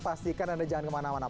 pastikan anda jangan kemana mana